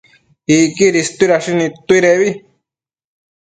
Icquidi istuidashi nidtuidebi